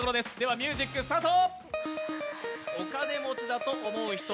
ミュージックスタート。